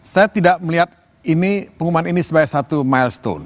saya tidak melihat ini pengumuman ini sebagai satu milestone